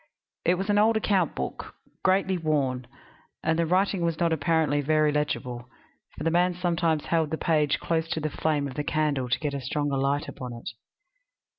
It was an old account book, greatly worn; and the writing was not, apparently, very legible, for the man sometimes held the page close to the flame of the candle to get a stronger light upon it.